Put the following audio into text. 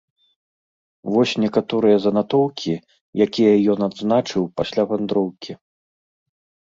Вось некаторыя занатоўкі, якія ён адзначыў пасля вандроўкі.